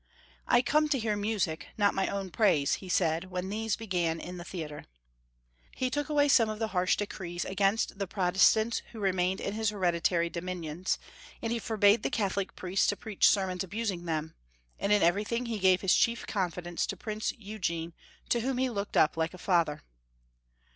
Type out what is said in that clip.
"I come to hear music, not my own praise," he said, when these began in the theatre. He took away some of the harsh decrees against the Protestants who remained in his hereditary do minions, and he forbade the Catholic priests to preach sermons abusing them, and in everytliing he 377 378 Young Folks* History of Q ermany. gave liis chief confidence to Prince Eugene, to whom he looked up like a father.